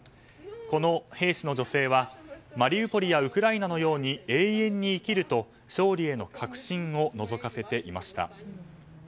この兵士の女性はマリウポリやウクライナのように永遠に生きると勝利への確信をのぞかせていました。